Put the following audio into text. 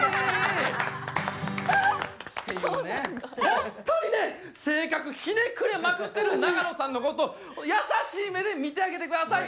本当にね性格ひねくれまくってる永野さんの事優しい目で見てあげてください。